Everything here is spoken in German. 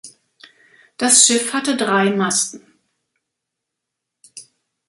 Das Schiff hatte drei Masten.